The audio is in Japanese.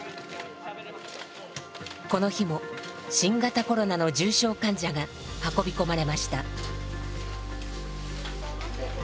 この日も新型コロナの重症患者が運び込まれました。